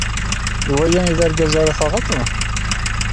D wagi i d argaz ara taɣeḍ?